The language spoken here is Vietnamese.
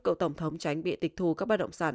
cậu tổng thống tránh bị tịch thu các bãi động sản